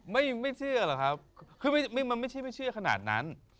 ไม่ไม่เชื่อหรอกครับคือมันไม่ใช่ไม่เชื่อขนาดนั้น